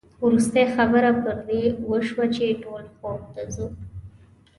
وروستۍ خبره پر دې وشوه چې ټول خوب ته ځو.